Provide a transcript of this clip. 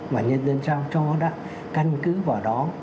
và nhân dân sao cho đã căn cứ vào đó